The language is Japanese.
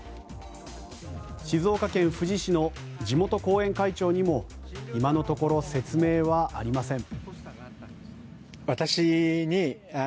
静岡県富士市の地元後援会長にも今のところ説明はありません。